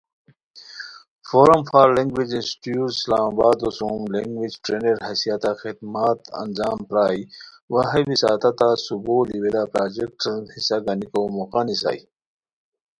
فورم فار لنگویج انیشیٹیوز اسلام آبادو سوم لنگویج ٹرینر حیثیت خدمات انجام پرائے وا ہے وساطتہ صوبو لیولہ پراجیکٹین حصہ گنیکو موقع نیسائے